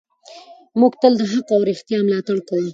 موږ تل د حق او رښتیا ملاتړ کوو.